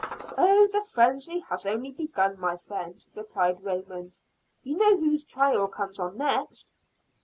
"Oh, the frenzy has only begun, my friend," replied Raymond. "You know whose trial comes on next?"